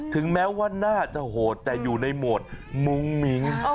ถึงแม้ว่าน่าจะโหดแต่อยู่ในโหมดมุ้งมิ้ง